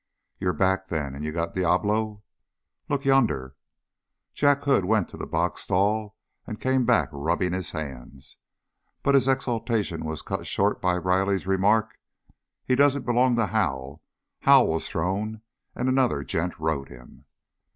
"You're back, then, and you got Diablo?" "Look yonder." Jack Hood went to the box stall and came back rubbing his hands, but his exultation was cut short by Riley's remark. "He doesn't belong to Hal. Hal was thrown and another gent rode him."